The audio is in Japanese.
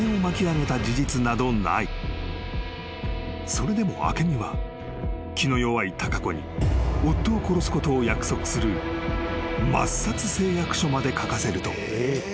［それでも明美は気の弱い貴子に夫を殺すことを約束する抹殺誓約書まで書かせると］